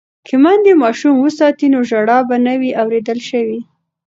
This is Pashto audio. که میندې ماشوم وساتي نو ژړا به نه وي اوریدل شوې.